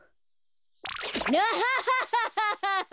アハハハハハハ！